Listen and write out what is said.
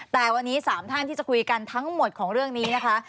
แต่วันนี้๓ท่านที่จะคุยกันทั้งหมดของเรื่องนี้นะคะ